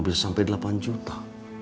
bisa sampai delapan juta